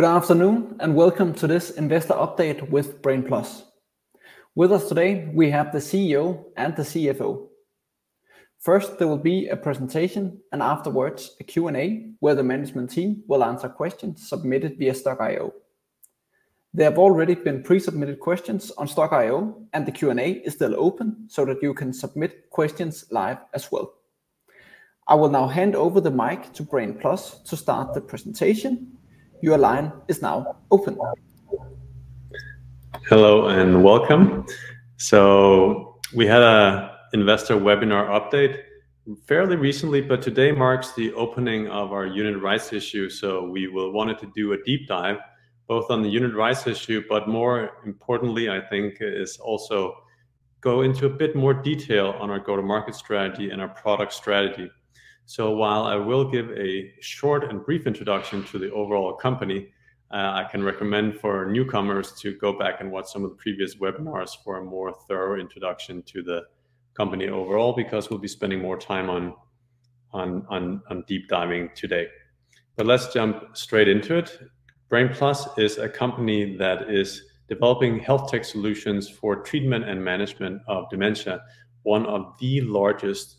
Good afternoon, and welcome to this investor update with Brain+! With us today, we have the CEO and the CFO. First, there will be a presentation, and afterwards, a Q&A, where the management team will answer questions submitted via Stokk.io. There have already been pre-submitted questions on Stokk.io, and the Q&A is still open, so that you can submit questions live as well. I will now hand over the mic to Brain+ to start the presentation. Your line is now open. Hello, and welcome. So we had an investor webinar update fairly recently, but today marks the opening of our unit rights issue, so we wanted to do a deep dive, both on the unit rights issue, but more importantly, I think, is also go into a bit more detail on our go-to-market strategy and our product strategy. So while I will give a short and brief introduction to the overall company, I can recommend for newcomers to go back and watch some of the previous webinars for a more thorough introduction to the company overall, because we'll be spending more time on deep diving today. But let's jump straight into it. Brain+ is a company that is developing health tech solutions for treatment and management of dementia, one of the largest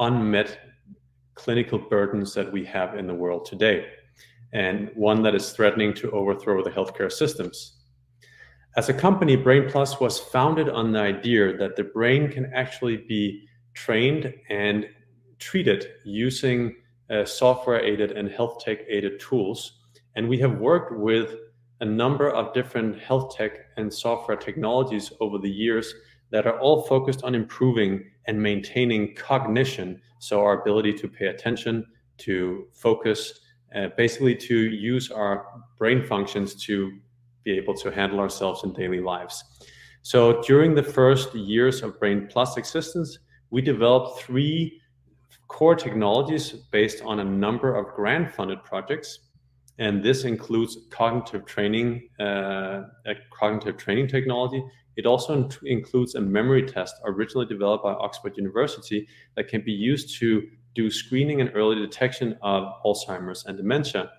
unmet clinical burdens that we have in the world today, and one that is threatening to overthrow the healthcare systems. As a company, Brain+ was founded on the idea that the brain can actually be trained and treated using software-aided and health tech-aided tools. We have worked with a number of different health tech and software technologies over the years that are all focused on improving and maintaining cognition, so our ability to pay attention, to focus, basically to use our brain functions to be able to handle ourselves in daily lives. During the first years of Brain+'s existence, we developed three core technologies based on a number of grant-funded projects, and this includes cognitive training, a cognitive training technology. It also includes a memory test, originally developed by Oxford University, that can be used to do screening and early detection of Alzheimer's and dementia.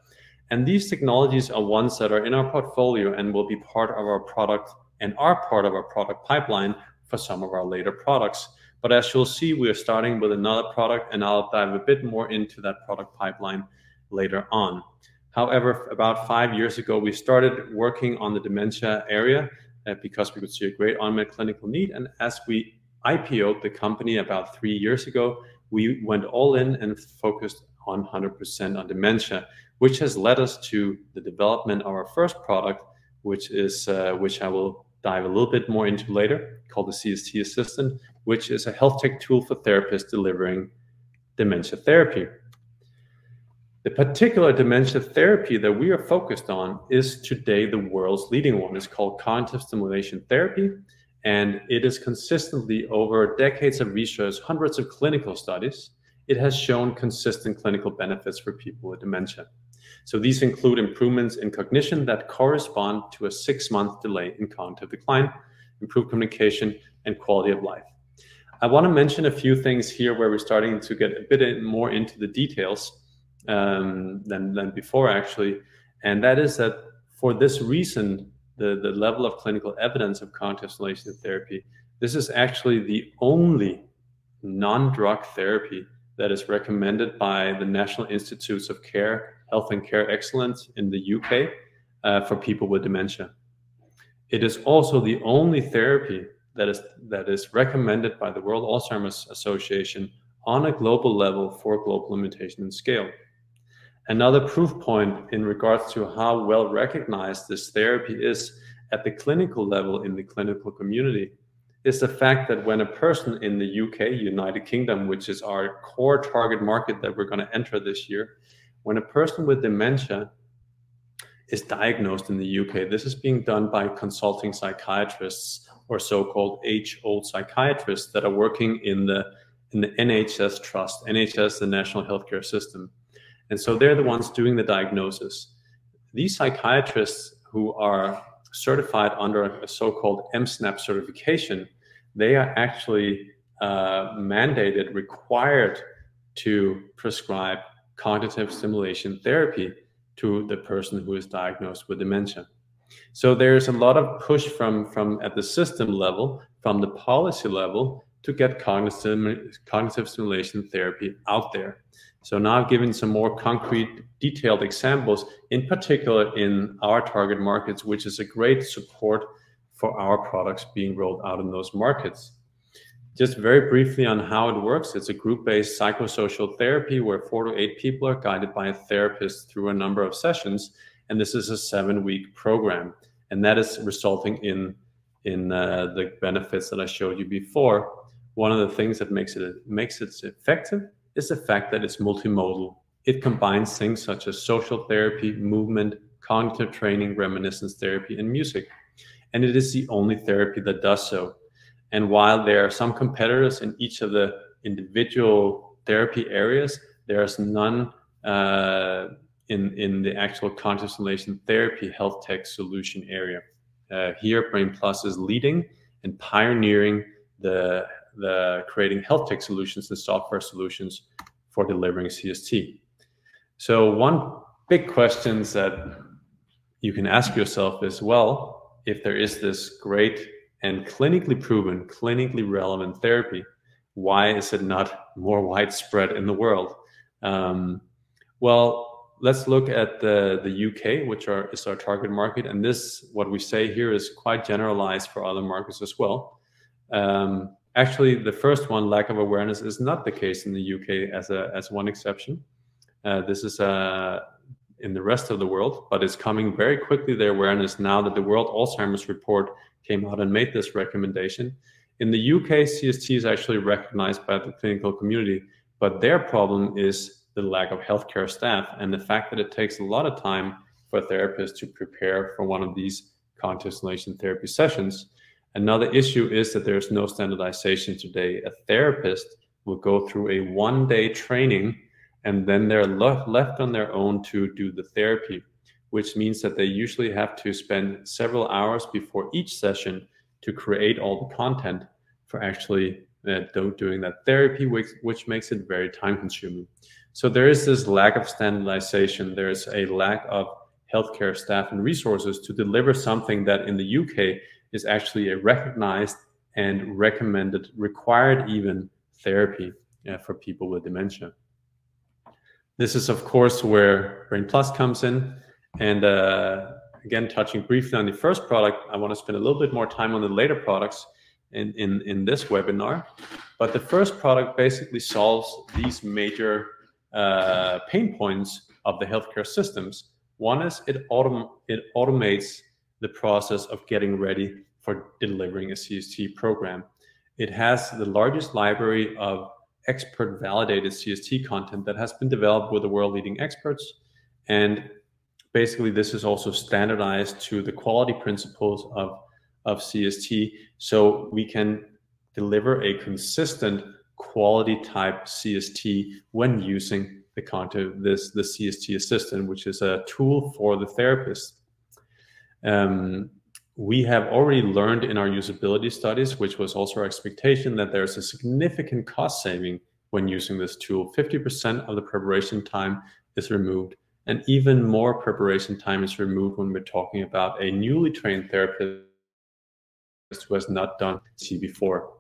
And these technologies are ones that are in our portfolio and will be part of our product, and are part of our product pipeline for some of our later products. But as you'll see, we are starting with another product, and I'll dive a bit more into that product pipeline later on. However, about 5 years ago, we started working on the dementia area, because we could see a great unmet clinical need, and as we IPO'd the company about 3 years ago, we went all in and focused on 100% on dementia, which has led us to the development of our first product, which is, which I will dive a little bit more into later, called the CST Assistant, which is a health tech tool for therapists delivering dementia therapy. The particular dementia therapy that we are focused on is today the world's leading one. It's called Cognitive Stimulation Therapy, and it is consistently over decades of research, hundreds of clinical studies. It has shown consistent clinical benefits for people with dementia. So these include improvements in cognition that correspond to a 6-month delay in cognitive decline, improved communication, and quality of life. I want to mention a few things here, where we're starting to get a bit more into the details than before, actually, and that is that for this reason, the level of clinical evidence of cognitive stimulation therapy, this is actually the only non-drug therapy that is recommended by the National Institute for Health and Care Excellence in the U.K., for people with dementia. It is also the only therapy that is recommended by the World Alzheimer's Association on a global level for global implementation and scale. Another proof point in regards to how well-recognized this therapy is at the clinical level in the clinical community is the fact that when a person in the U.K., United Kingdom, which is our core target market that we're going to enter this year, when a person with dementia is diagnosed in the U.K., this is being done by consulting psychiatrists or so-called old age psychiatrists that are working in the NHS Trust. NHS, the National Health Service, and so they're the ones doing the diagnosis. These psychiatrists who are certified under a so-called MSNAP certification, they are actually mandated, required to prescribe cognitive stimulation therapy to the person who is diagnosed with dementia. So there is a lot of push from at the system level, from the policy level, to get cognitive stimulation therapy out there. So now I've given some more concrete, detailed examples, in particular in our target markets, which is a great support for our products being rolled out in those markets. Just very briefly on how it works, it's a group-based psychosocial therapy, where 4-8 people are guided by a therapist through a number of sessions, and this is a 7-week program, and that is resulting in the benefits that I showed you before. One of the things that makes it, makes it effective, is the fact that it's multimodal. It combines things such as social therapy, movement, cognitive training, reminiscence therapy, and music, and it is the only therapy that does so. And while there are some competitors in each of the individual therapy areas, there is none in the actual cognitive stimulation therapy health tech solution area. Here, Brain+ is leading and pioneering the creating health tech solutions and software solutions for delivering CST. So one big question that you can ask yourself is, well, if there is this great and clinically proven, clinically relevant therapy, why is it not more widespread in the world? Well, let's look at the U.K., which is our target market, and this, what we say here is quite generalized for other markets as well. Actually, the first one, lack of awareness, is not the case in the U.K. as one exception. This is in the rest of the world, but it's coming very quickly, the awareness, now that the World Alzheimer's Report came out and made this recommendation. In the U.K., CST is actually recognized by the clinical community, but their problem is the lack of healthcare staff and the fact that it takes a lot of time for therapists to prepare for one of these cognitive stimulation therapy sessions. Another issue is that there's no standardization today. A therapist will go through a one-day training, and then they're left on their own to do the therapy, which means that they usually have to spend several hours before each session to create all the content for actually doing that therapy, which makes it very time-consuming. So there is this lack of standardization, there is a lack of healthcare staff and resources to deliver something that in the U.K. is actually a recognized and recommended, required even, therapy for people with dementia. This is, of course, where Brain+ comes in, and again, touching briefly on the first product, I wanna spend a little bit more time on the later products in this webinar. But the first product basically solves these major pain points of the healthcare systems. One is it automates the process of getting ready for delivering a CST program. It has the largest library of expert-validated CST content that has been developed with the world-leading experts, and basically, this is also standardized to the quality principles of CST, so we can deliver a consistent quality-type CST when using the content, this CST Assistant, which is a tool for the therapist. We have already learned in our usability studies, which was also our expectation, that there is a significant cost saving when using this tool. 50% of the preparation time is removed, and even more preparation time is removed when we're talking about a newly trained therapist was not done CST before.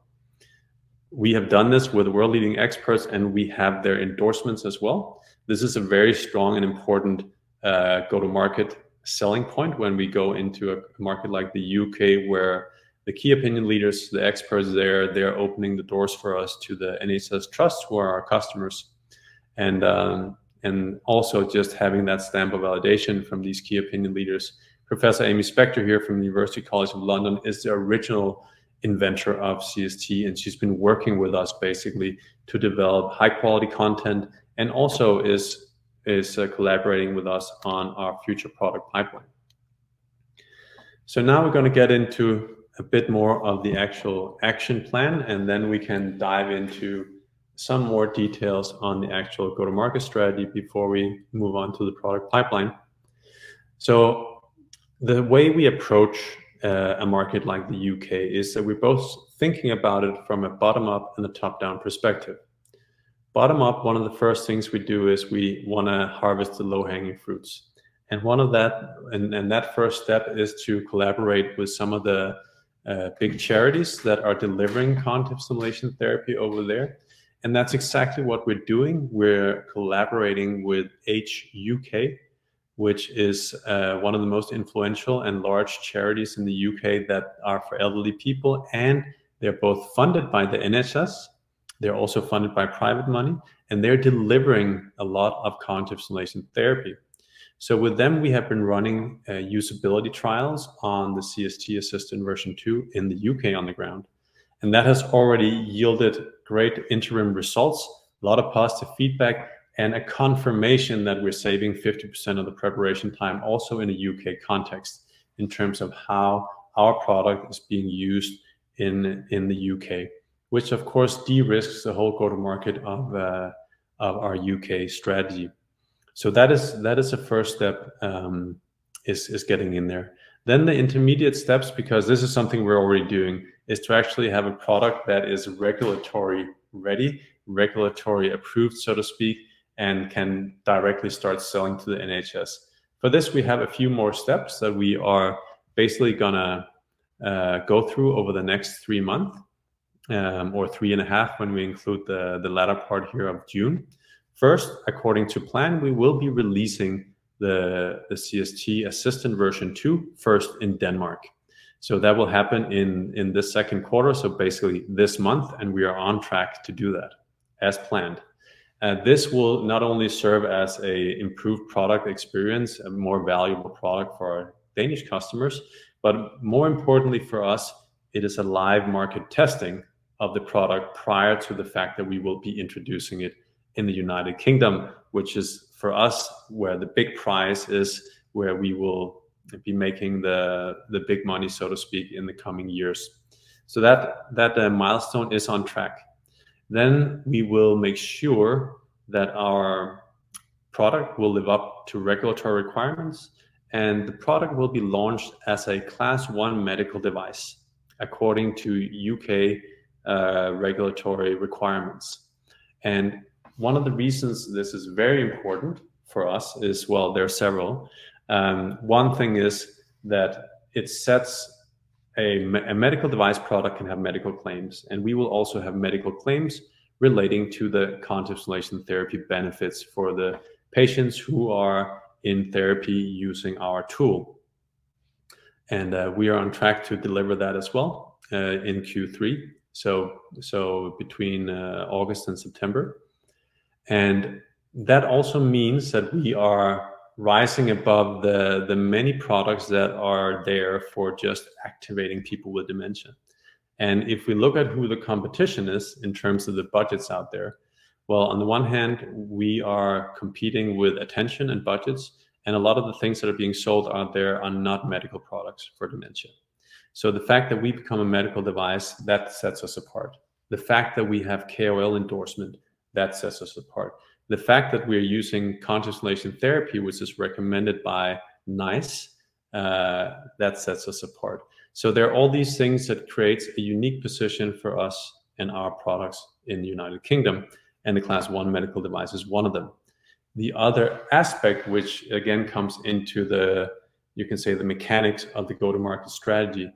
We have done this with world-leading experts, and we have their endorsements as well. This is a very strong and important go-to-market selling point when we go into a market like the U.K., where the key opinion leaders, the experts there, they're opening the doors for us to the NHS trusts who are our customers, and also just having that stamp of validation from these key opinion leaders. Professor Aimee Spector here from University College London is the original inventor of CST, and she's been working with us basically to develop high-quality content and also is collaborating with us on our future product pipeline. So now we're gonna get into a bit more of the actual action plan, and then we can dive into some more details on the actual go-to-market strategy before we move on to the product pipeline. So the way we approach a market like the U.K. is that we're both thinking about it from a bottom-up and a top-down perspective. Bottom-up, one of the first things we do is we wanna harvest the low-hanging fruits, and one of that and that first step is to collaborate with some of the big charities that are delivering cognitive stimulation therapy over there, and that's exactly what we're doing. We're collaborating with Age UK, which is one of the most influential and large charities in the U.K. that are for elderly people, and they're both funded by the NHS. They're also funded by private money, and they're delivering a lot of cognitive stimulation therapy. So with them, we have been running usability trials on the CST Assistant version two in the U.K. on the ground, and that has already yielded great interim results, a lot of positive feedback, and a confirmation that we're saving 50% of the preparation time, also in a U.K. context, in terms of how our product is being used in the U.K., which, of course, de-risks the whole go-to-market of our U.K. strategy. So that is the first step is getting in there. Then the intermediate steps, because this is something we're already doing, is to actually have a product that is regulatory-ready, regulatory-approved, so to speak, and can directly start selling to the NHS. For this, we have a few more steps that we are basically gonna go through over the next three months, or three and a half when we include the latter part here of June. First, according to plan, we will be releasing the CST Assistant version 2, first in Denmark. So that will happen in this second quarter, so basically this month, and we are on track to do that as planned. This will not only serve as an improved product experience, a more valuable product for our Danish customers, but more importantly for us, it is a live market testing of the product prior to the fact that we will be introducing it in the United Kingdom, which is, for us, where the big prize is, where we will be making the big money, so to speak, in the coming years. So that milestone is on track. Then we will make sure that our product will live up to regulatory requirements, and the product will be launched as a Class I medical device, according to U.K. regulatory requirements. And one of the reasons this is very important for us is, there are several. One thing is that it sets a medical device product can have medical claims, and we will also have medical claims relating to the cognitive stimulation therapy benefits for the patients who are in therapy using our tool. And we are on track to deliver that as well in Q3, so between August and September. And that also means that we are rising above the many products that are there for just activating people with dementia. If we look at who the competition is in terms of the budgets out there, well, on the one hand, we are competing with attention and budgets, and a lot of the things that are being sold out there are not medical products for dementia. So the fact that we've become a medical device, that sets us apart. The fact that we have KOL endorsement, that sets us apart. The fact that we are using Cognitive Stimulation Therapy, which is recommended by NICE, that sets us apart. So there are all these things that creates a unique position for us and our products in the United Kingdom, and the Class I medical device is one of them. The other aspect, which again comes into the, you can say, the mechanics of the go-to-market strategy,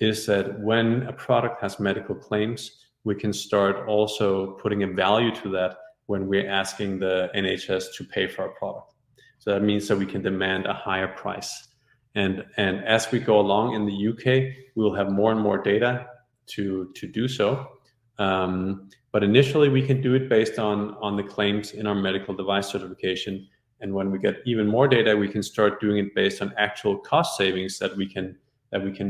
is that when a product has medical claims, we can start also putting a value to that when we're asking the NHS to pay for our product. So that means that we can demand a higher price. And as we go along in the U.K., we will have more and more data to do so. But initially, we can do it based on the claims in our medical device certification, and when we get even more data, we can start doing it based on actual cost savings that we can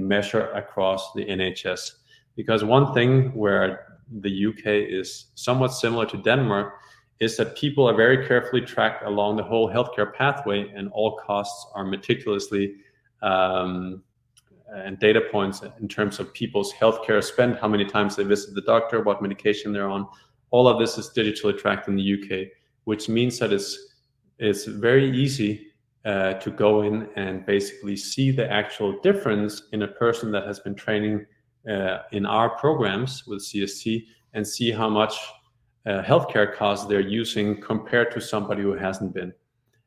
measure across the NHS. Because one thing where the U.K. is somewhat similar to Denmark, is that people are very carefully tracked along the whole healthcare pathway, and all costs are meticulously, and data points in terms of people's healthcare spend, how many times they visit the doctor, what medication they're on, all of this is digitally tracked in the U.K. Which means that it's very easy to go in and basically see the actual difference in a person that has been training in our programs with CST and see how much healthcare costs they're using compared to somebody who hasn't been.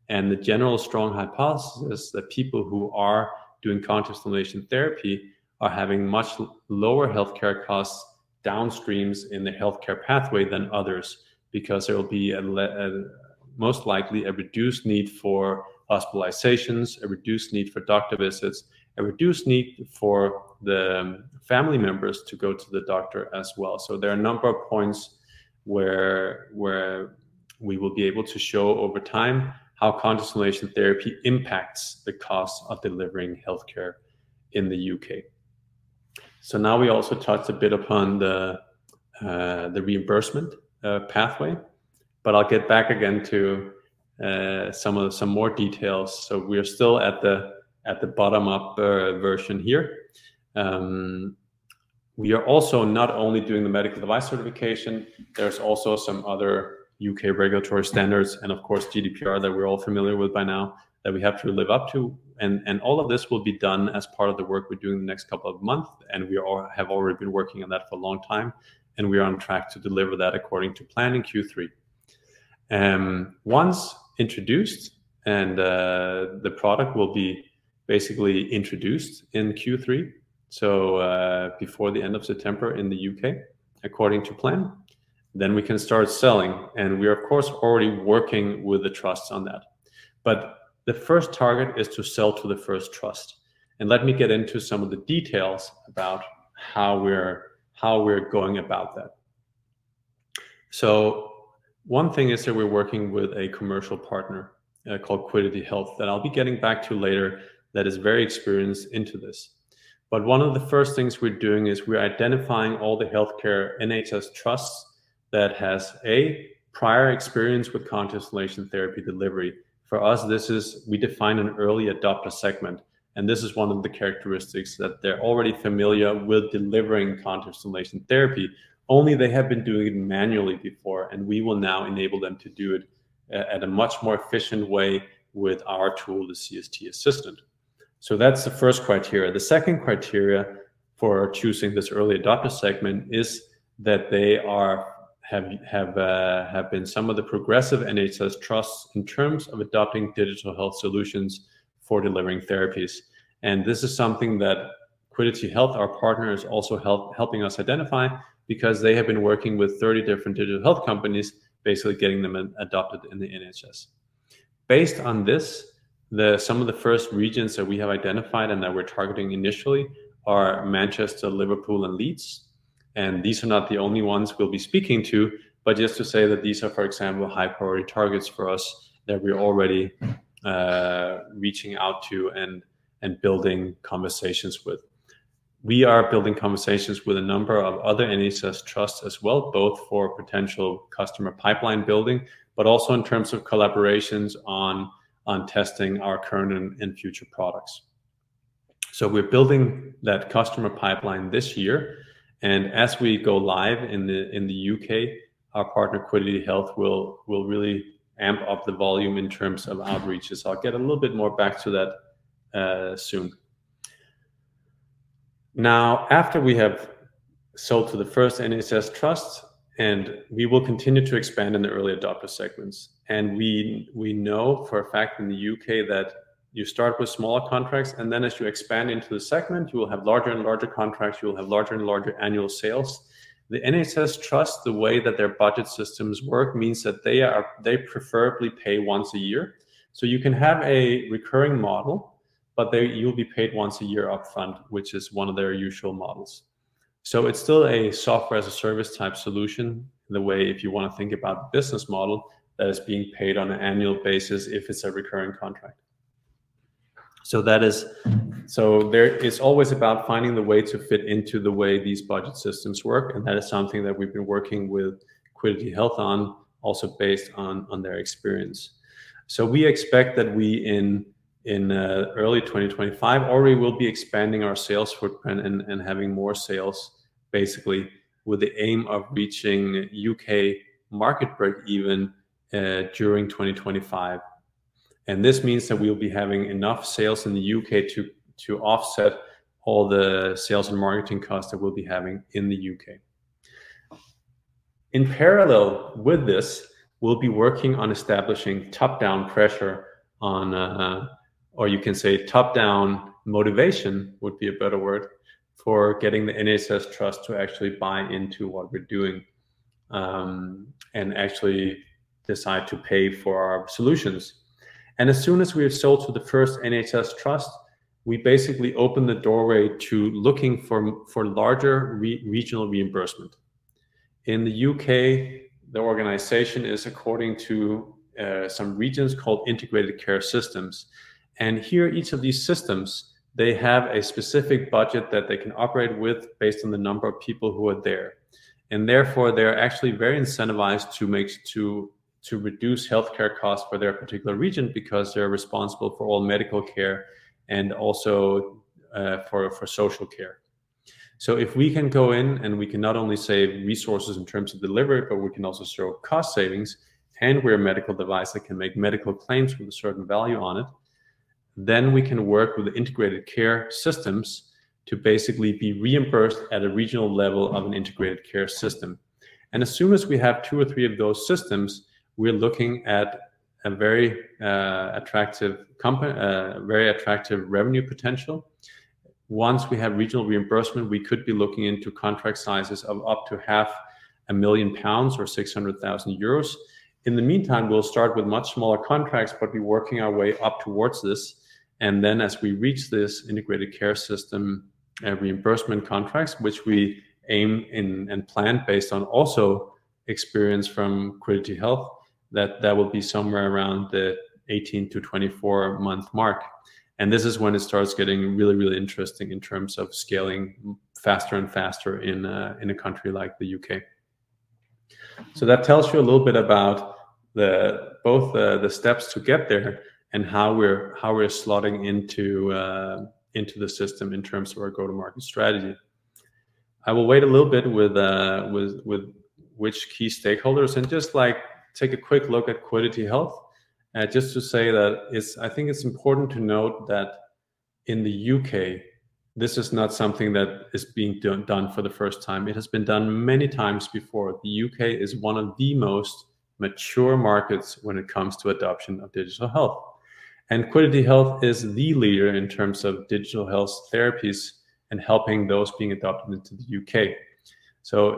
The general strong hypothesis is that people who are doing Cognitive Stimulation Therapy are having much lower healthcare costs downstreams in the healthcare pathway than others, because there will be a most likely a reduced need for hospitalizations, a reduced need for doctor visits, a reduced need for the family members to go to the doctor as well. So there are a number of points where we will be able to show over time how Cognitive Stimulation Therapy impacts the cost of delivering healthcare in the U.K. So now we also touched a bit upon the reimbursement pathway, but I'll get back again to some more details. So we're still at the bottom-up version here. We are also not only doing the medical device certification, there's also some other U.K. regulatory standards, and of course, GDPR, that we're all familiar with by now, that we have to live up to. And all of this will be done as part of the work we're doing in the next couple of months, and we all have already been working on that for a long time, and we are on track to deliver that according to plan in Q3. Once introduced, the product will be basically introduced in Q3, so before the end of September in the U.K., according to plan, then we can start selling, and we are, of course, already working with the trusts on that. But the first target is to sell to the first trust. And let me get into some of the details about how we're going about that. So one thing is that we're working with a commercial partner called Quiddity Health that I'll be getting back to later that is very experienced in this. But one of the first things we're doing is we're identifying all the healthcare NHS trusts that has prior experience with cognitive stimulation therapy delivery. For us, this is we define an early adopter segment, and this is one of the characteristics that they're already familiar with delivering cognitive stimulation therapy, only they have been doing it manually before, and we will now enable them to do it at a much more efficient way with our tool, the CST Assistant. So that's the first criteria. The second criteria for choosing this early adopter segment is that they are... have been some of the progressive NHS trusts in terms of adopting digital health solutions for delivering therapies. And this is something that Quiddity Health, our partner, is also helping us identify, because they have been working with 30 different digital health companies, basically getting them in, adopted in the NHS. Based on this, some of the first regions that we have identified and that we're targeting initially are Manchester, Liverpool and Leeds. And these are not the only ones we'll be speaking to, but just to say that these are, for example, high-priority targets for us that we're already reaching out to and building conversations with. We are building conversations with a number of other NHS trusts as well, both for potential customer pipeline building, but also in terms of collaborations on testing our current and future products. So we're building that customer pipeline this year, and as we go live in the U.K., our partner, Quiddity Health, will really amp up the volume in terms of outreaches. I'll get a little bit more back to that, soon. Now, after we have sold to the first NHS trusts, and we will continue to expand in the early adopter segments, and we know for a fact in the U.K. that you start with smaller contracts, and then as you expand into the segment, you will have larger and larger contracts, you will have larger and larger annual sales. The NHS trusts, the way that their budget systems work, means that they preferably pay once a year. So you can have a recurring model, but you'll be paid once a year upfront, which is one of their usual models. So it's still a software-as-a-service type solution, in the way if you want to think about the business model, that is being paid on an annual basis if it's a recurring contract. So there, it's always about finding the way to fit into the way these budget systems work, and that is something that we've been working with Quiddity Health on, also based on their experience. So we expect that we in early 2025 already will be expanding our sales footprint and having more sales, basically, with the aim of reaching U.K. market break-even during 2025. And this means that we will be having enough sales in the U.K. to offset all the sales and marketing costs that we'll be having in the U.K. In parallel with this, we'll be working on establishing top-down pressure on... Or you can say, top-down motivation, would be a better word, for getting the NHS trusts to actually buy into what we're doing, and actually decide to pay for our solutions. As soon as we have sold to the first NHS trust, we basically open the doorway to looking for larger regional reimbursement. In the U.K., the organization is according to some regions called integrated care systems, and here, each of these systems, they have a specific budget that they can operate with based on the number of people who are there. Therefore, they're actually very incentivized to make to reduce healthcare costs for their particular region because they're responsible for all medical care and also for social care. So if we can go in and we can not only save resources in terms of delivery, but we can also show cost savings, and we're a medical device that can make medical claims with a certain value on it, then we can work with the Integrated Care Systems to basically be reimbursed at a regional level of an Integrated Care System. And as soon as we have two or three of those systems, we're looking at a very attractive revenue potential. Once we have regional reimbursement, we could be looking into contract sizes of up to 500,000 pounds or 600,000 euros. In the meantime, we'll start with much smaller contracts, but be working our way up towards this. And then as we reach this integrated care system, reimbursement contracts, which we aim and plan based on also experience from Quiddity Health, that will be somewhere around the 18-24-month mark. This is when it starts getting really, really interesting in terms of scaling faster and faster in a country like the U.K. That tells you a little bit about both the steps to get there and how we're slotting into the system in terms of our go-to-market strategy. I will wait a little bit with which key stakeholders, and just, like, take a quick look at Quiddity Health. Just to say that it's-- I think it's important to note that in the U.K., this is not something that is being done for the first time. It has been done many times before. The U.K. is one of the most mature markets when it comes to adoption of digital health. Quiddity Health is the leader in terms of digital health therapies and helping those being adopted into the U.K.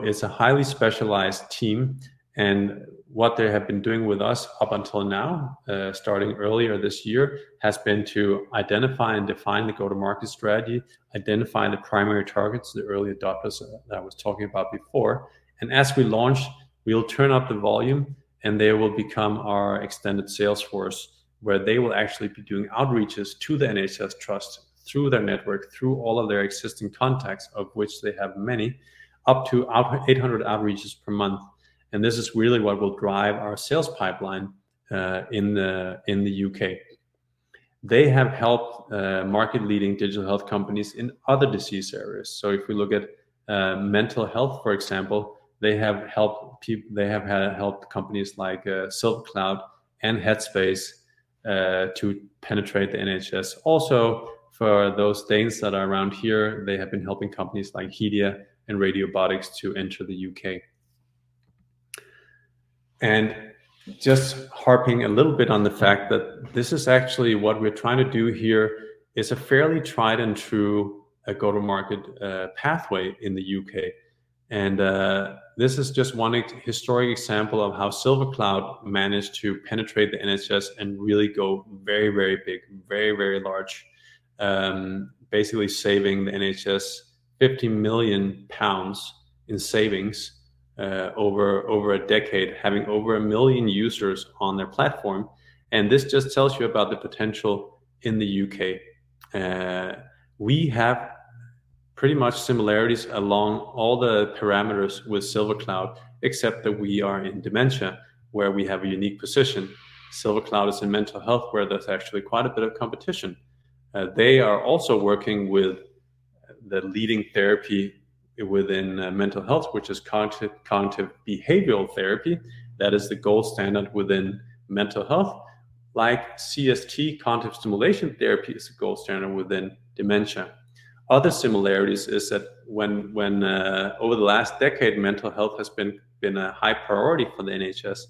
It's a highly specialized team, and what they have been doing with us up until now, starting earlier this year, has been to identify and define the go-to-market strategy, identifying the primary targets, the early adopters that I was talking about before. As we launch, we'll turn up the volume, and they will become our extended sales force, where they will actually be doing outreaches to the NHS trusts through their network, through all of their existing contacts, of which they have many, up to about 800 outreaches per month. And this is really what will drive our sales pipeline in the U.K. They have helped market-leading digital health companies in other disease areas. So if we look at mental health, for example, they have helped companies like SilverCloud and Headspace to penetrate the NHS. Also, for those things that are around here, they have been helping companies like Hestia and Radiobotics to enter the U.K. And just harping a little bit on the fact that this is actually what we're trying to do here, is a fairly tried and true go-to-market pathway in the U.K. And this is just one historic example of how SilverCloud managed to penetrate the NHS and really go very, very big, very, very large, basically saving the NHS 50 million pounds in savings over a decade, having over 1 million users on their platform. And this just tells you about the potential in the U.K. We have pretty much similarities along all the parameters with SilverCloud, except that we are in dementia, where we have a unique position. SilverCloud is in mental health, where there's actually quite a bit of competition. They are also working with the leading therapy within mental health, which is cognitive behavioral therapy. That is the gold standard within mental health, like CST, cognitive stimulation therapy, is the gold standard within dementia. Other similarities is that when over the last decade, mental health has been a high priority for the NHS,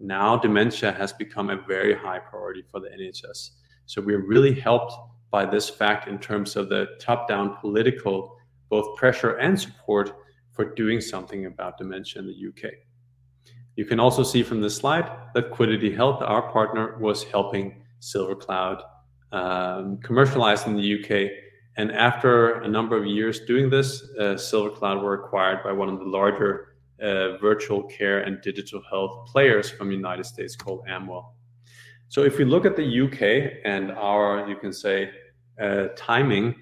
now dementia has become a very high priority for the NHS. So we are really helped by this fact in terms of the top-down political, both pressure and support, for doing something about dementia in the U.K. You can also see from this slide that Quiddity Health, our partner, was helping SilverCloud commercialize in the U.K., and after a number of years doing this, SilverCloud were acquired by one of the larger, virtual care and digital health players from the United States called Amwell. So if we look at the U.K. and our, you can say, timing,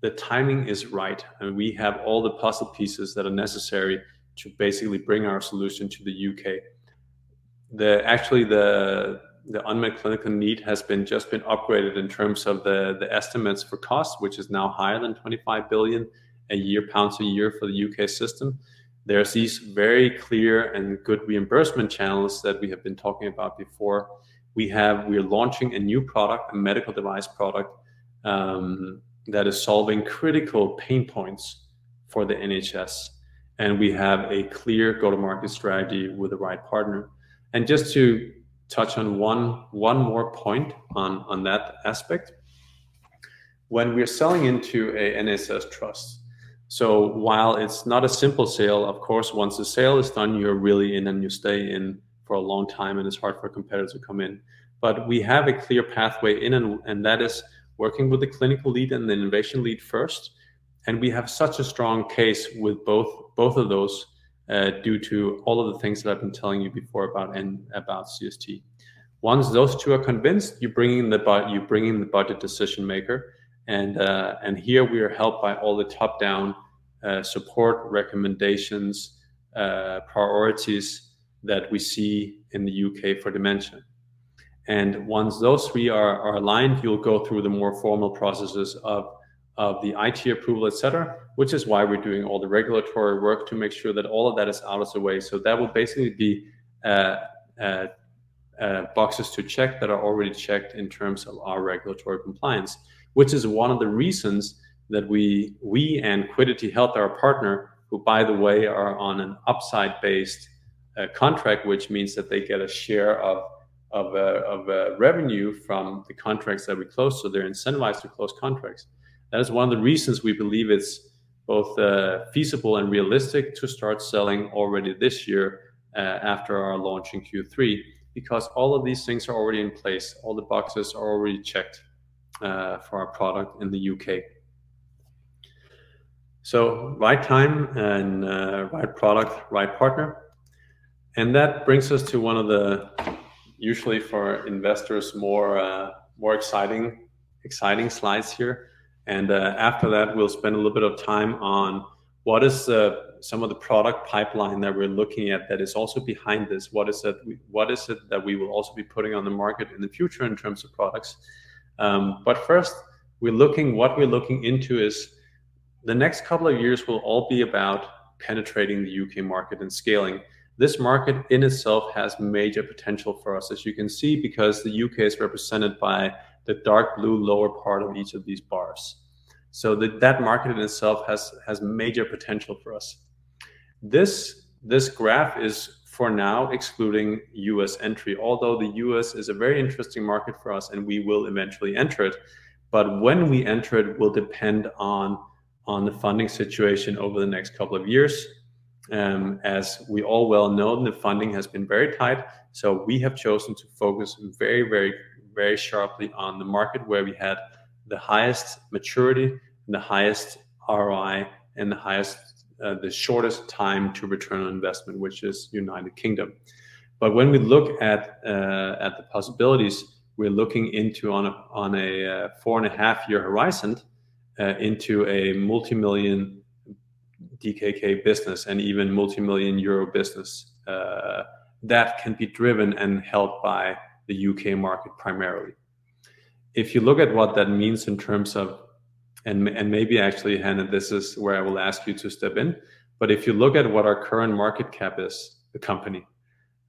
the timing is right, and we have all the puzzle pieces that are necessary to basically bring our solution to the U.K. Actually, the unmet clinical need has just been upgraded in terms of the estimates for cost, which is now higher than 25 billion a year for the U.K. system. There's these very clear and good reimbursement channels that we have been talking about before. We are launching a new product, a medical device product, that is solving critical pain points for the NHS, and we have a clear go-to-market strategy with the right partner. Just to touch on one more point on that aspect, when we are selling into an NHS trust, so while it's not a simple sale, of course, once the sale is done, you're really in and you stay in for a long time, and it's hard for a competitor to come in. But we have a clear pathway in, and that is working with the clinical lead and the innovation lead first, and we have such a strong case with both of those due to all of the things that I've been telling you before about CST. Once those two are convinced, you bring in the budget decision maker, and here we are helped by all the top-down support, recommendations, priorities that we see in the U.K. for dementia. And once those three are aligned, you'll go through the more formal processes of the IT approval, et cetera, which is why we're doing all the regulatory work to make sure that all of that is out of the way. So that will basically be boxes to check that are already checked in terms of our regulatory compliance, which is one of the reasons that we and Quiddity Health, our partner, who, by the way, are on an upside-based contract, which means that they get a share of revenue from the contracts that we close, so they're incentivized to close contracts. That is one of the reasons we believe it's both feasible and realistic to start selling already this year after our launch in Q3, because all of these things are already in place, all the boxes are already checked for our product in the U.K. So right time and right product, right partner. And that brings us to one of the, usually for investors, more exciting slides here. After that, we'll spend a little bit of time on what is the, some of the product pipeline that we're looking at that is also behind this? What is it, what is it that we will also be putting on the market in the future in terms of products? But first, what we're looking into is the next couple of years will all be about penetrating the U.K. market and scaling. This market in itself has major potential for us, as you can see, because the U.K. is represented by the dark blue lower part of each of these bars. So that, that market in itself has, has major potential for us. This graph is, for now, excluding U.S. entry, although the U.S. is a very interesting market for us, and we will eventually enter it, but when we enter it will depend on the funding situation over the next couple of years. As we all well know, the funding has been very tight, so we have chosen to focus very, very, very sharply on the market where we had the highest maturity and the highest ROI and the highest, the shortest time to return on investment, which is United Kingdom. But when we look at the possibilities, we're looking into on a 4.5-year horizon, into a multimillion DKK business and even multimillion EUR business, that can be driven and helped by the U.K. market primarily. If you look at what that means in terms of... And maybe actually, Hanne, this is where I will ask you to step in. But if you look at what our current market cap is, the company,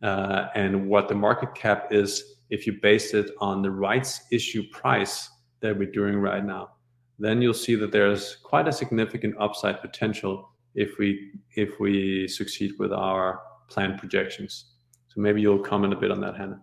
and what the market cap is, if you base it on the rights issue price that we're doing right now, then you'll see that there's quite a significant upside potential if we, if we succeed with our planned projections. So maybe you'll comment a bit on that, Hanne.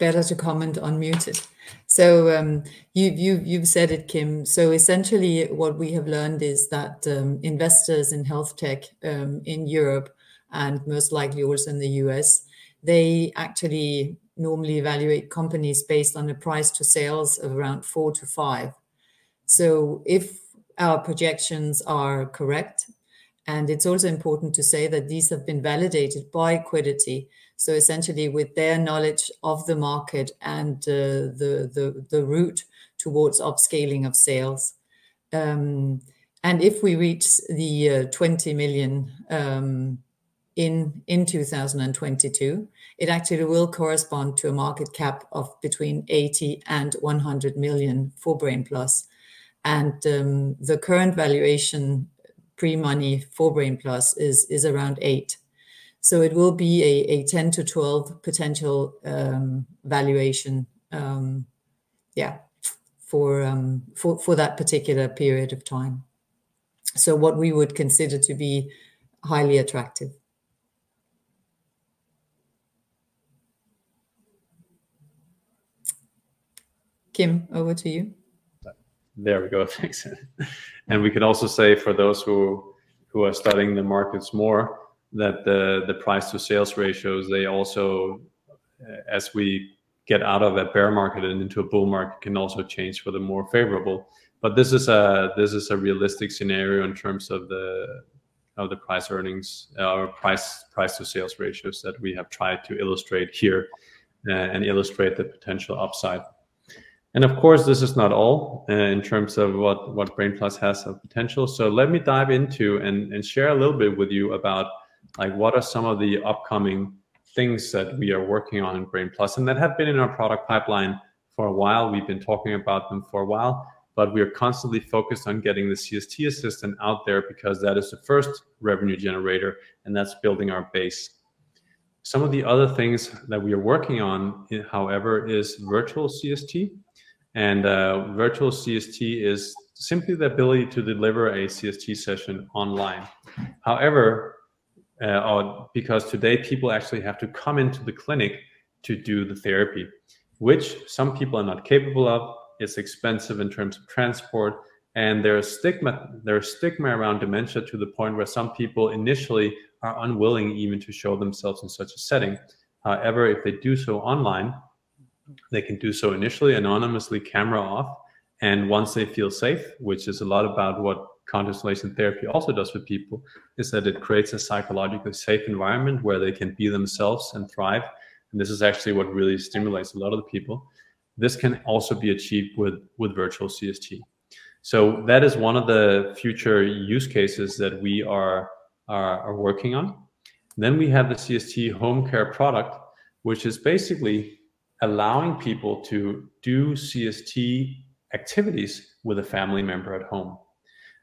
Better to comment unmuted. So, you've said it, Kim. So essentially, what we have learned is that, investors in health tech, in Europe, and most likely also in the U.S., they actually normally evaluate companies based on a price to sales of around 4-5. So if our projections are correct, and it's also important to say that these have been validated by Quiddity, so essentially with their knowledge of the market and, the route towards upscaling of sales. And if we reach the 20 million in 2022, it actually will correspond to a market cap of between 80 million and 100 million for Brain+, and, the current valuation pre-money for Brain+ is around 8. So it will be a 10-12 potential valuation for that particular period of time. So what we would consider to be highly attractive. Kim, over to you. There we go. Thanks. And we could also say for those who are studying the markets more, that the price to sales ratios, they also, as we get out of a bear market and into a bull market, can also change for the more favorable. But this is a realistic scenario in terms of the price earnings or price to sales ratios that we have tried to illustrate here, and illustrate the potential upside. And of course, this is not all, in terms of what Brain+ has of potential. So let me dive into and share a little bit with you about, like, what are some of the upcoming things that we are working on in Brain+ and that have been in our product pipeline for a while. We've been talking about them for a while, but we are constantly focused on getting the CST Assistant out there because that is the first revenue generator, and that's building our base. Some of the other things that we are working on, however, is virtual CST, and virtual CST is simply the ability to deliver a CST session online. However, or because today, people actually have to come into the clinic to do the therapy, which some people are not capable of. It's expensive in terms of transport, and there is stigma - there is stigma around dementia to the point where some people initially are unwilling even to show themselves in such a setting. However, if they do so online, they can do so initially, anonymously, camera off, and once they feel safe, which is a lot about what CST also does for people, is that it creates a psychologically safe environment where they can be themselves and thrive, and this is actually what really stimulates a lot of the people. This can also be achieved with virtual CST. So that is one of the future use cases that we are working on. Then we have the CST home care product, which is basically allowing people to do CST activities with a family member at home.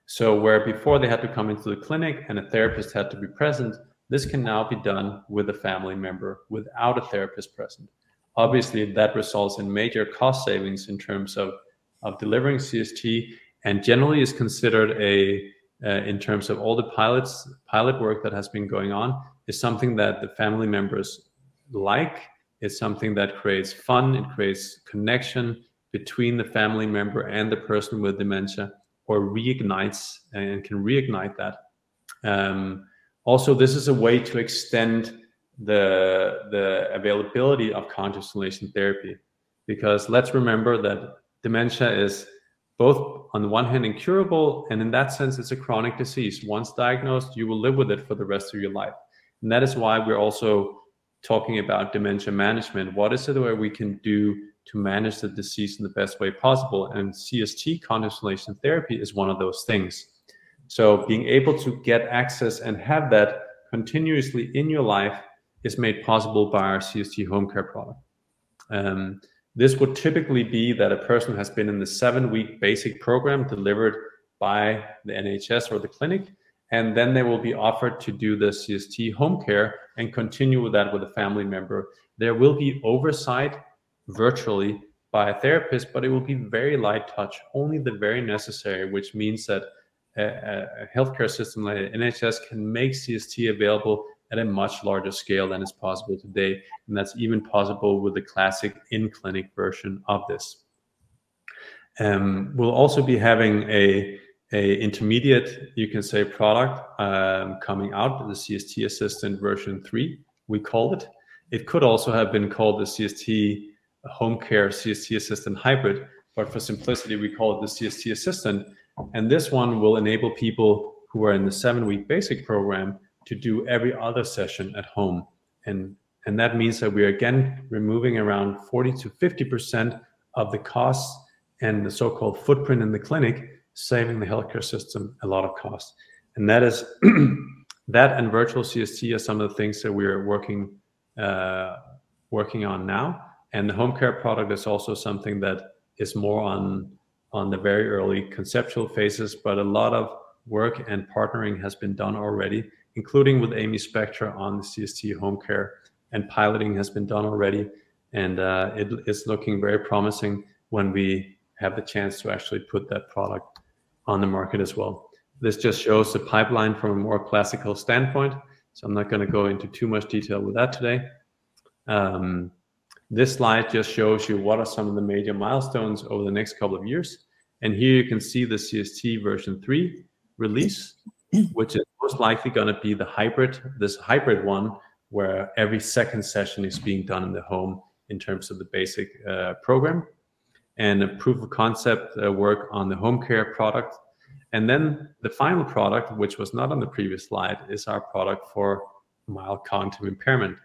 So where before they had to come into the clinic and a therapist had to be present, this can now be done with a family member without a therapist present. Obviously, that results in major cost savings in terms of delivering CST, and generally is considered a, in terms of all the pilots, pilot work that has been going on, is something that the family members like, it's something that creates fun, it creates connection between the family member and the person with dementia, or reignites and can reignite that. Also, this is a way to extend the availability of cognitive stimulation therapy, because let's remember that dementia is both, on the one hand, incurable, and in that sense, it's a chronic disease. Once diagnosed, you will live with it for the rest of your life, and that is why we're also talking about dementia management. What is it that we can do to manage the disease in the best way possible? And CST, cognitive stimulation therapy, is one of those things. So being able to get access and have that continuously in your life is made possible by our CST home care product. This would typically be that a person has been in the 7-week basic program delivered by the NHS or the clinic, and then they will be offered to do the CST home care and continue with that with a family member. There will be oversight virtually by a therapist, but it will be very light touch, only the very necessary, which means that a healthcare system like NHS can make CST available at a much larger scale than is possible today, and that's even possible with the classic in-clinic version of this. We'll also be having an intermediate, you can say, product coming out, the CST Assistant version 3, we called it. It could also have been called the CST Home Care, CST Assistant Hybrid, but for simplicity, we call it the CST Assistant, and this one will enable people who are in the seven-week basic program to do every other session at home. And that means that we are again removing around 40%-50% of the costs and the so-called footprint in the clinic, saving the healthcare system a lot of cost. And that is, that and virtual CST are some of the things that we are working, working on now, and the home care product is also something that is more on, on the very early conceptual phases, but a lot of work and partnering has been done already, including with Aimee Spector on the CST home care, and piloting has been done already, and, it is looking very promising when we have the chance to actually put that product on the market as well. This just shows the pipeline from a more classical standpoint, so I'm not gonna go into too much detail with that today. This slide just shows you what are some of the major milestones over the next couple of years. And here you can see the CST version 3. release, which is most likely going to be the hybrid, this hybrid one, where every second session is being done in the home in terms of the basic, program, and a proof of concept, work on the home care product. And then the final product, which was not on the previous slide, is our product for Mild Cognitive Impairment.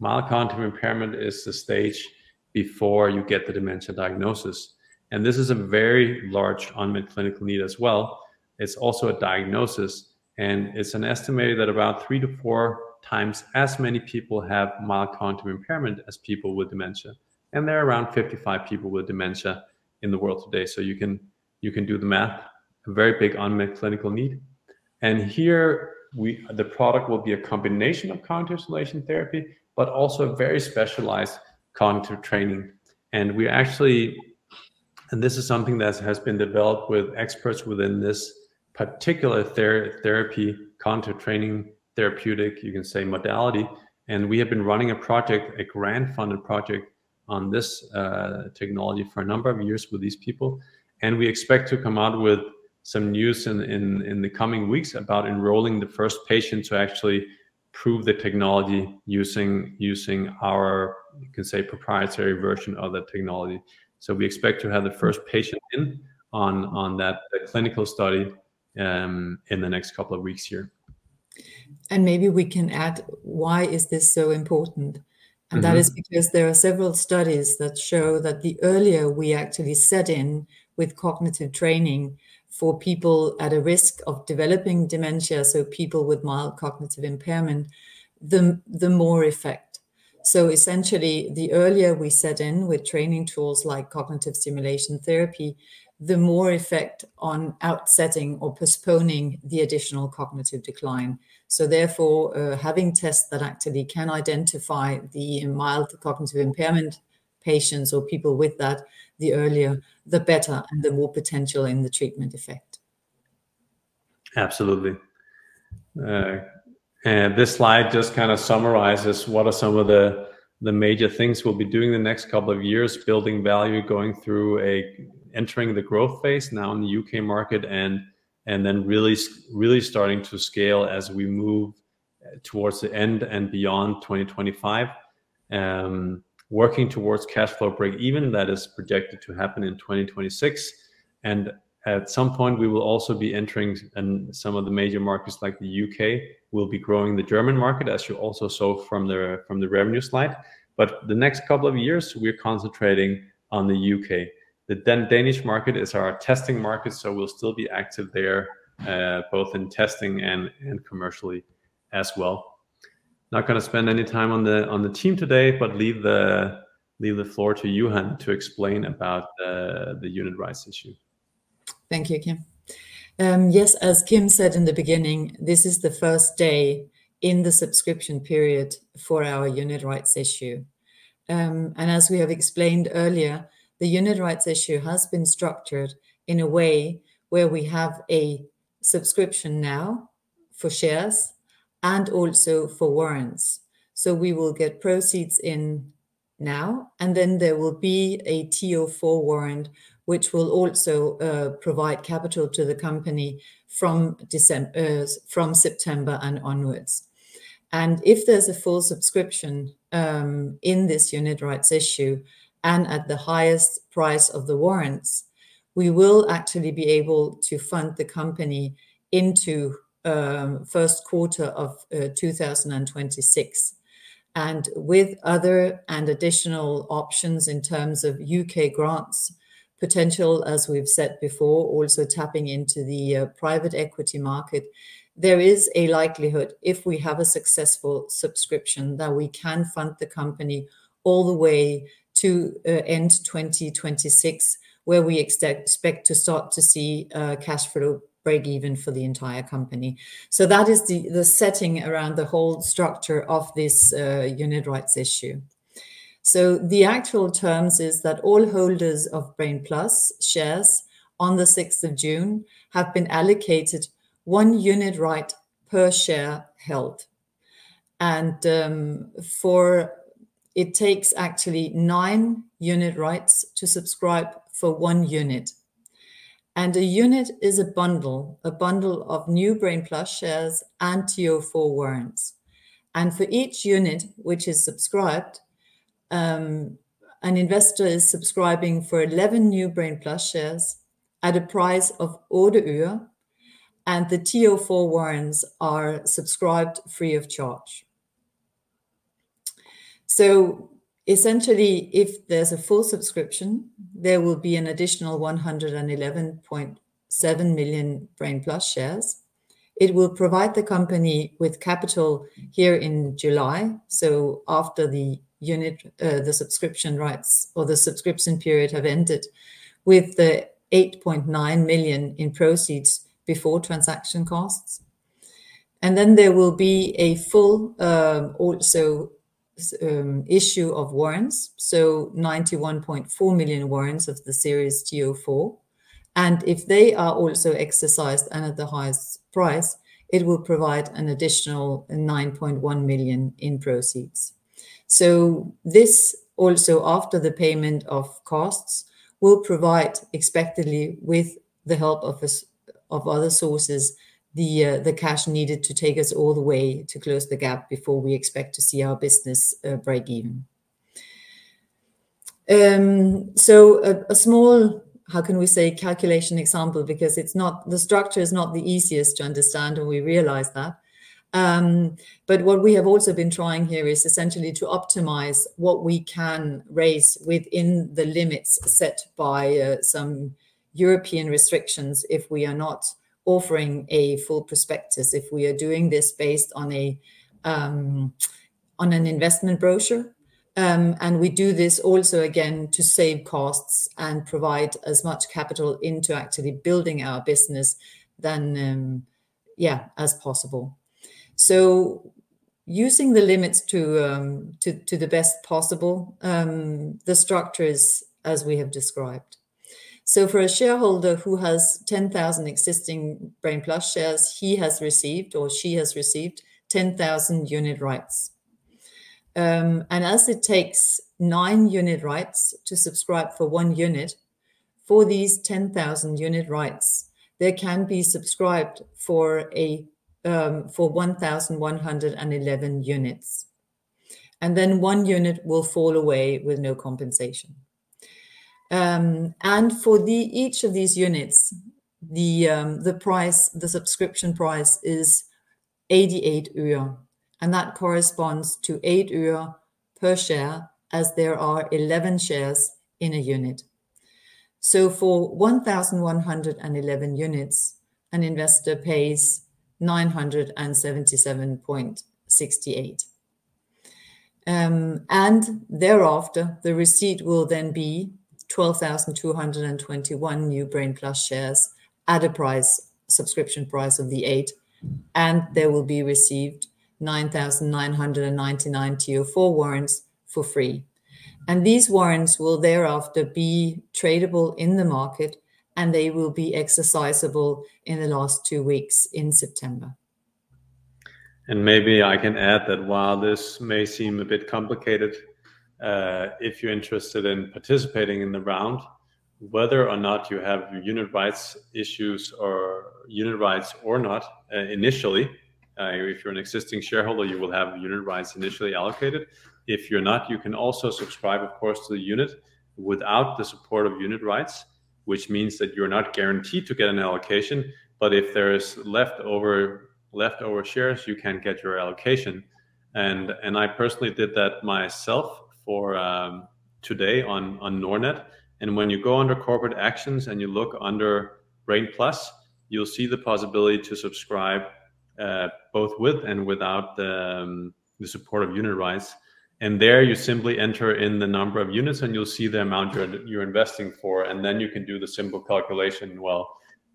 Mild Cognitive Impairment is the stage before you get the dementia diagnosis, and this is a very large unmet clinical need as well. It's also a diagnosis, and it's an estimate that about 3-4 times as many people have Mild Cognitive Impairment as people with dementia, and there are around 55 people with dementia in the world today. So you can, you can do the math. A very big unmet clinical need. Here, the product will be a combination of cognitive stimulation therapy, but also a very specialized cognitive training. And we actually and this is something that has been developed with experts within this particular therapy, cognitive training, therapeutic, you can say, modality. And we have been running a project, a grant-funded project, on this technology for a number of years with these people, and we expect to come out with some news in the coming weeks about enrolling the first patient to actually prove the technology using our, you can say, proprietary version of the technology. So we expect to have the first patient in on that clinical study in the next couple of weeks here. Maybe we can add, why is this so important? Mm-hmm. And that is because there are several studies that show that the earlier we actually set in with cognitive training for people at a risk of developing dementia, so people with Mild Cognitive Impairment, the more effect. So essentially, the earlier we set in with training tools like Cognitive Stimulation Therapy, the more effect on offsetting or postponing the additional cognitive decline. So therefore, having tests that actually can identify the Mild Cognitive Impairment patients or people with that, the earlier, the better, and the more potential in the treatment effect. Absolutely. And this slide just kind of summarizes what are some of the, the major things we'll be doing the next couple of years, building value, going through, entering the growth phase now in the U.K. market, and, and then really starting to scale as we move towards the end and beyond 2025. Working towards cash flow break-even, that is projected to happen in 2026, and at some point, we will also be entering in some of the major markets, like the U.K. We'll be growing the German market, as you also saw from the, from the revenue slide. But the next couple of years, we're concentrating on the U.K. The Danish market is our testing market, so we'll still be active there, both in testing and, and commercially as well. Not gonna spend any time on the team today, but leave the floor to you, Hanne, to explain about the unit rights issue. Thank you, Kim. Yes, as Kim said in the beginning, this is the first day in the subscription period for our unit rights issue. And as we have explained earlier, the unit rights issue has been structured in a way where we have a subscription now for shares and also for warrants. So we will get proceeds in now, and then there will be a TO4 warrant, which will also provide capital to the company from September and onwards. And if there's a full subscription in this unit rights issue, and at the highest price of the warrants, we will actually be able to fund the company into first quarter of 2026. With other and additional options in terms of U.K. grants potential, as we've said before, also tapping into the private equity market, there is a likelihood, if we have a successful subscription, that we can fund the company all the way to end 2026, where we expect to start to see cash flow break even for the entire company. So that is the setting around the whole structure of this unit rights issue. So the actual terms is that all holders of Brain+ shares on the sixth of June have been allocated 1 unit right per share held. It takes actually 9 unit rights to subscribe for 1 unit. And a unit is a bundle of new Brain+ shares and TO4 warrants. For each unit which is subscribed, an investor is subscribing for 11 new Brain+ shares at a price of EUR 0.10, and the TO4 warrants are subscribed free of charge. So essentially, if there's a full subscription, there will be an additional 111.7 million Brain+ shares. It will provide the company with capital here in July, so after the unit, the subscription rights or the subscription period have ended, with the 8.9 million in proceeds before transaction costs. And then there will be a full also issue of warrants, so 91.4 million warrants of the series TO4. And if they are also exercised and at the highest price, it will provide an additional 9.1 million in proceeds. So this, also after the payment of costs, will provide expectedly with the help of a sub-... of other sources, the cash needed to take us all the way to close the gap before we expect to see our business break even. So a small, how can we say, calculation example, because it's not, the structure is not the easiest to understand, and we realize that. But what we have also been trying here is essentially to optimize what we can raise within the limits set by some European restrictions if we are not offering a full prospectus, if we are doing this based on an investment brochure. And we do this also, again, to save costs and provide as much capital into actually building our business than as possible. So using the limits to the best possible, the structure is as we have described. So for a shareholder who has 10,000 existing Brain+ shares, he has received or she has received 10,000 unit rights. And as it takes 9 unit rights to subscribe for 1 unit, for these 10,000 unit rights, they can be subscribed for 1,111 units, and then 1 unit will fall away with no compensation. And for each of these units, the price, the subscription price is 88, and that corresponds to 8 per share, as there are 11 shares in a unit. So for 1,111 units, an investor pays 977.68. and thereafter, the receipt will then be 12,221 new Brain+ shares at a subscription price of 0.8, and they will be received 9,999 TO4 warrants for free. And these warrants will thereafter be tradable in the market, and they will be exercisable in the last two weeks in September. And maybe I can add that while this may seem a bit complicated, if you're interested in participating in the round, whether or not you have your unit rights issues or unit rights or not, initially, if you're an existing shareholder, you will have unit rights initially allocated. If you're not, you can also subscribe, of course, to the unit without the support of unit rights, which means that you're not guaranteed to get an allocation, but if there is leftover, leftover shares, you can get your allocation. And, and I personally did that myself for today on Nordnet. And when you go under corporate actions and you look under Brain+, you'll see the possibility to subscribe both with and without the support of unit rights. There you simply enter in the number of units, and you'll see the amount you're investing for, and then you can do the simple calculation. Well,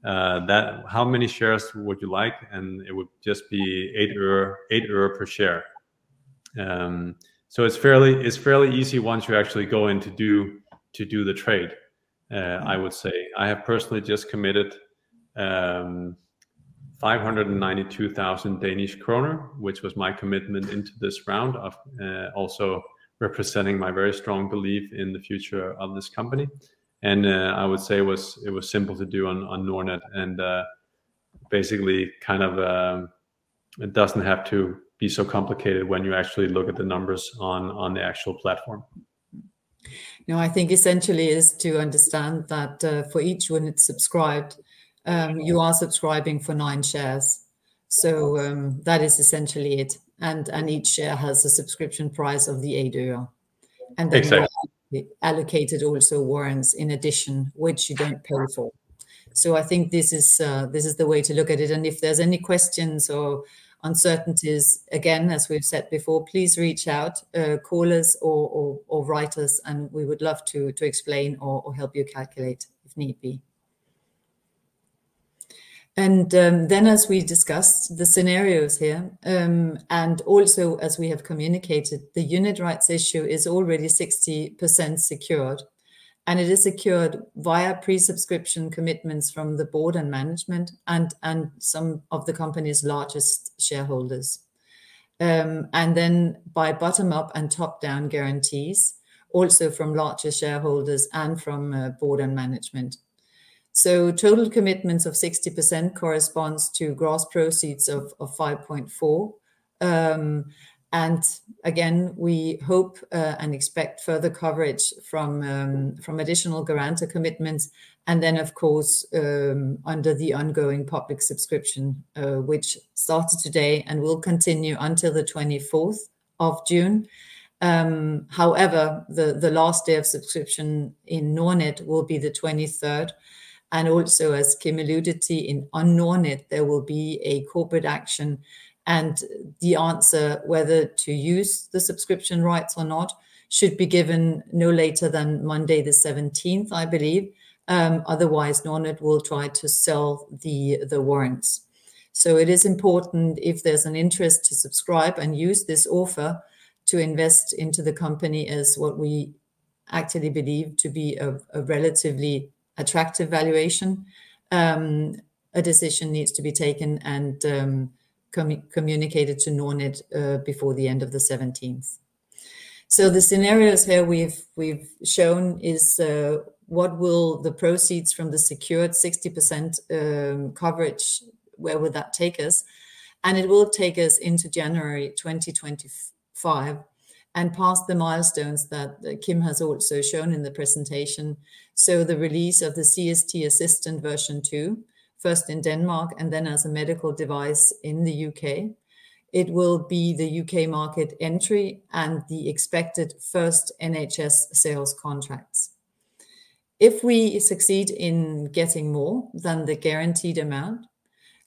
how many shares would you like? And it would just be 8 euro per share. So it's fairly easy once you actually go in to do the trade, I would say. I have personally just committed 592,000 Danish kroner, which was my commitment into this round, also representing my very strong belief in the future of this company. I would say it was simple to do on Nordnet and basically it doesn't have to be so complicated when you actually look at the numbers on the actual platform. No, I think essentially is to understand that, for each unit subscribed, you are subscribing for 9 shares. So, that is essentially it, and, and each share has a subscription price of 8 euro. Exactly. Then you are allocated also warrants in addition, which you don't pay for. So I think this is the way to look at it, and if there's any questions or uncertainties, again, as we've said before, please reach out, call us or write us, and we would love to explain or help you calculate if need be. Then as we discussed the scenarios here, and also as we have communicated, the unit rights issue is already 60% secured, and it is secured via pre-subscription commitments from the board and management and some of the company's largest shareholders. And then by bottom-up and top-down guarantees, also from larger shareholders and from board and management. So total commitments of 60% corresponds to gross proceeds of 5.4 million. And again, we hope and expect further coverage from additional guarantor commitments and then, of course, under the ongoing public subscription, which started today and will continue until the twenty-fourth of June. However, the last day of subscription in Nordnet will be the twenty-third, and also, as Kim alluded to, in Avanza, there will be a corporate action, and the answer whether to use the subscription rights or not should be given no later than Monday the seventeenth, I believe. Otherwise, Nordnet will try to sell the warrants. So it is important if there's an interest to subscribe and use this offer to invest into the company as what we actually believe to be a relatively attractive valuation. A decision needs to be taken and communicated to Nordnet before the end of the seventeenth. So the scenarios here we've shown is what will the proceeds from the secured 60% coverage, where would that take us? And it will take us into January 2025, and past the milestones that Kim has also shown in the presentation. So the release of the CST Assistant version 2, first in Denmark, and then as a medical device in the U.K. It will be the U.K. market entry and the expected first NHS sales contracts. If we succeed in getting more than the guaranteed amount,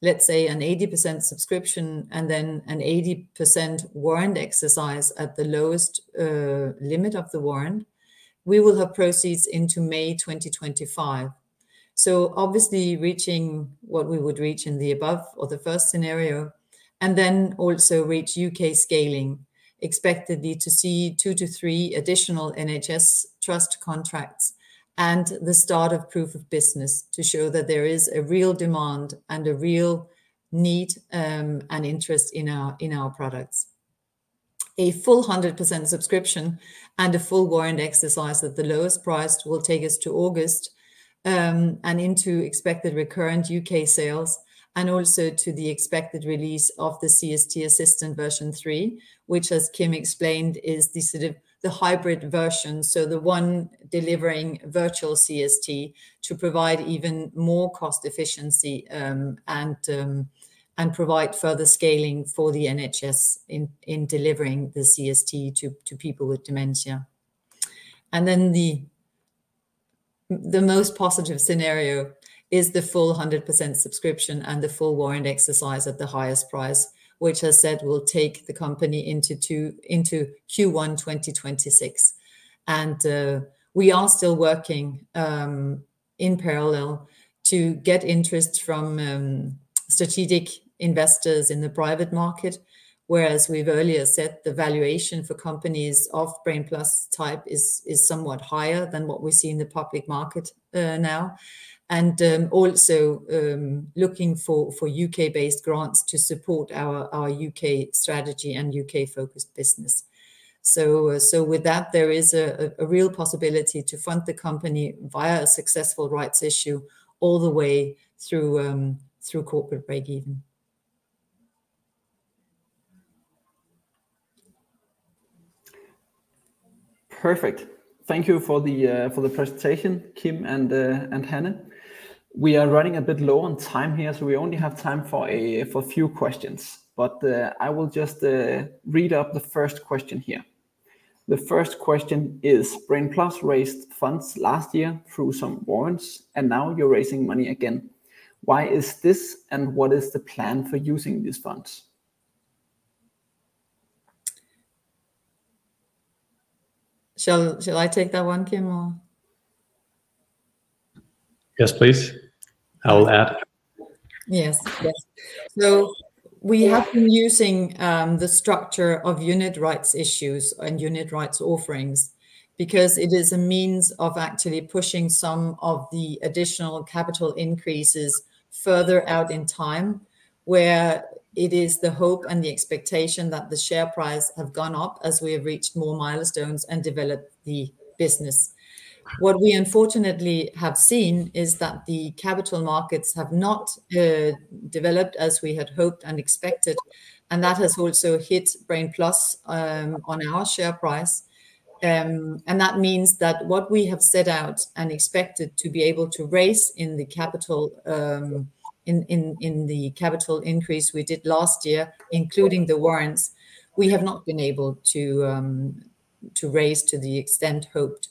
let's say an 80% subscription and then an 80% warrant exercise at the lowest limit of the warrant, we will have proceeds into May 2025. So obviously reaching what we would reach in the above or the first scenario, and then also reach U.K. scaling, expectedly to see 2-3 additional NHS Trust contracts and the start of proof of business to show that there is a real demand and a real need, and interest in our products. A full 100% subscription and a full warrant exercise at the lowest price will take us to August, and into expected recurrent U.K. sales, and also to the expected release of the CST Assistant version 3, which, as Kim explained, is the sort of the hybrid version, so the one delivering virtual CST to provide even more cost efficiency, and provide further scaling for the NHS in delivering the CST to people with dementia. Then the most positive scenario is the full 100% subscription and the full warrant exercise at the highest price, which as said will take the company into Q1 2026. We are still working in parallel to get interest from strategic investors in the private market. Whereas we've earlier said, the valuation for companies of Brain+ type is somewhat higher than what we see in the public market now. Also looking for U.K.-based grants to support our U.K. strategy and U.K.-focused business. So with that, there is a real possibility to fund the company via a successful rights issue all the way through corporate breakeven. Perfect. Thank you for the, for the presentation, Kim and, and Hanne. We are running a bit low on time here, so we only have time for a, for a few questions, but, I will just, read out the first question here. The first question is, Brain+ raised funds last year through some warrants, and now you're raising money again. Why is this, and what is the plan for using these funds? Shall I take that one, Kim, or...? Yes, please. I'll add. Yes. Yes. So we have been using the structure of unit rights issues and unit rights offerings because it is a means of actually pushing some of the additional capital increases further out in time, where it is the hope and the expectation that the share price have gone up as we have reached more milestones and developed the business. What we unfortunately have seen is that the capital markets have not developed as we had hoped and expected, and that has also hit Brain+, on our share price. And that means that what we have set out and expected to be able to raise in the capital, in the capital increase we did last year, including the warrants, we have not been able to raise to the extent hoped.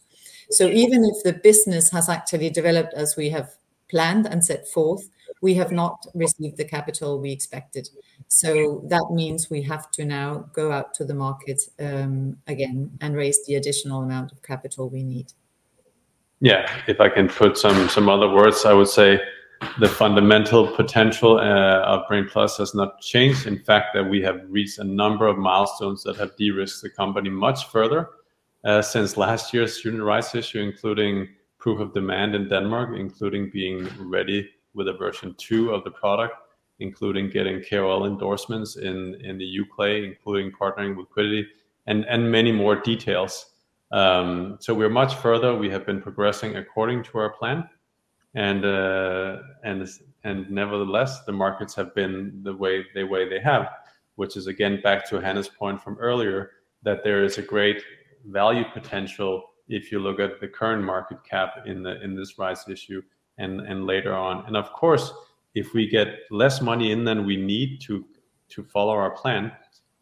Even if the business has actually developed as we have planned and set forth, we have not received the capital we expected. That means we have to now go out to the market, again and raise the additional amount of capital we need. Yeah, if I can put some other words, I would say the fundamental potential of Brain+ has not changed. In fact, that we have reached a number of milestones that have de-risked the company much further since last year's unit rights issue, including proof of demand in Denmark, including being ready with a version 2 of the product, including getting KOL endorsements in the U.K., including partnering with Quiddity, and many more details. So we're much further. We have been progressing according to our plan, and nevertheless, the markets have been the way they have, which is again, back to Hanne's point from earlier, that there is a great value potential if you look at the current market cap in this rights issue and later on. Of course, if we get less money in than we need to, to follow our plan,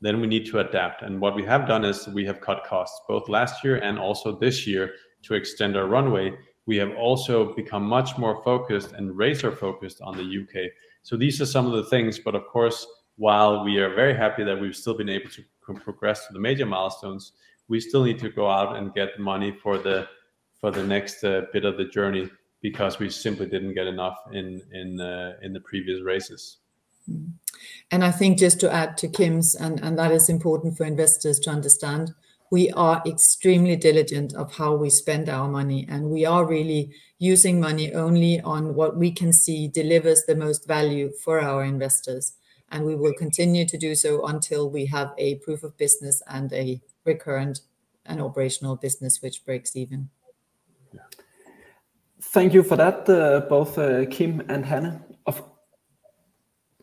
then we need to adapt. What we have done is we have cut costs both last year and also this year to extend our runway. We have also become much more focused and razor-focused on the U.K. These are some of the things, but of course, while we are very happy that we've still been able to progress to the major milestones, we still need to go out and get money for the next bit of the journey because we simply didn't get enough in the previous raises. Mm-hmm. And I think just to add to Kim's, and that is important for investors to understand, we are extremely diligent of how we s pend our money, and we are really using money only on what we can see delivers the most value for our investors. And we will continue to do so until we have a proof of business and a recurrent and operational business which breaks even. Yeah. Thank you for that, both Kim and Hanne.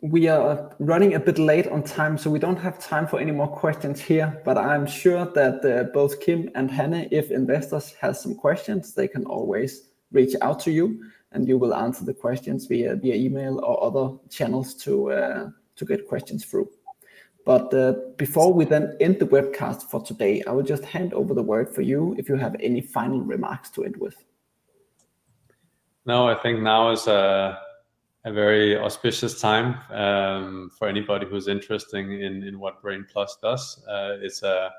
We are running a bit late on time, so we don't have time for any more questions here, but I'm sure that both Kim and Hanne, if investors have some questions, they can always reach out to you, and you will answer the questions via email or other channels to get questions through. But before we then end the webcast for today, I will just hand over the word for you if you have any final remarks to end with. No, I think now is a very auspicious time for anybody who's interested in what Brain+ does. It's a,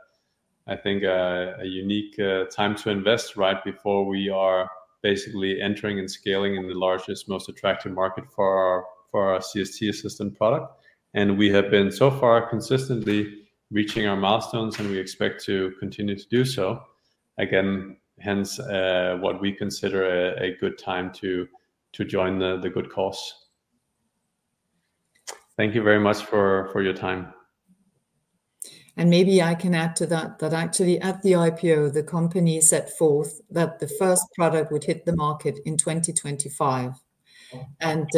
I think, a unique time to invest right before we are basically entering and scaling in the largest, most attractive market for our CST Assistant product. We have been so far consistently reaching our milestones, and we expect to continue to do so. Again, hence, what we consider a good time to join the good cause. Thank you very much for your time. Maybe I can add to that, that actually at the IPO, the company set forth that the first product would hit the market in 2025, and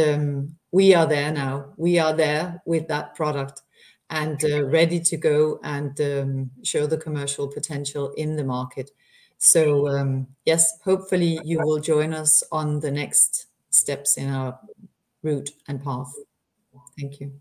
we are there now. We are there with that product and ready to go and show the commercial potential in the market. So, yes, hopefully you will join us on the next steps in our route and path. Thank you.